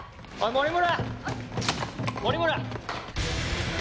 森村。